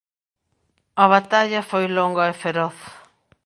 A batalla foi longa e feroz.